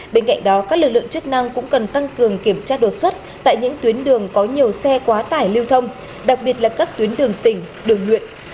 bên cạnh đó các lực lượng chức năng cũng cần tăng cường kiểm tra đột xuất tại những tuyến đường có nhiều xe quá tải lưu thông đặc biệt là các tuyến đường tỉnh đường nguyện